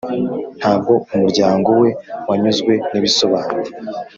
Ntabwo umuryango we wanyuzwe n’ibisobanuro